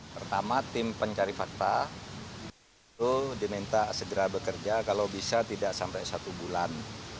pertama tim pencari fakta itu diminta segera bekerja kalau bisa tidak sampai satu bulan